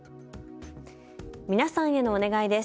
皆さんへのお願いです。